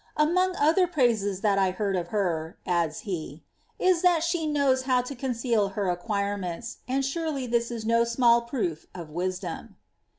^Among other praises that I heard of her,^ adds he, *^ is, that •he knows how to conceal her acquirements, and surely this is no small proof of wisdom.''